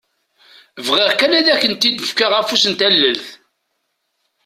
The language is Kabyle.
Bɣiɣ kan ad akent-d-fkeɣ afus n tallalt!